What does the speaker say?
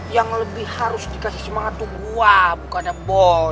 yang lebih harus dikasih semangat tuh gua bukannya boy